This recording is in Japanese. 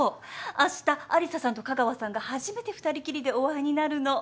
あした有沙さんと香川さんが初めて２人きりでお会いになるの。